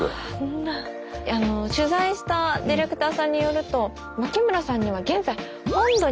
取材したディレクターさんによると脇村さんには現在本土に彼女がいて